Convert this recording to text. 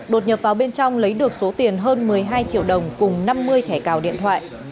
đột nhập vào bên trong lấy được số tiền hơn một mươi hai triệu đồng cùng năm mươi thẻ cào điện thoại